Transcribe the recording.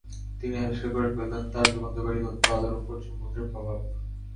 তিনি আবিষ্কার করে ফেললেন তার যুগান্তকারী তত্ত্ব আলোর ওপর চুম্বকের প্রভাব।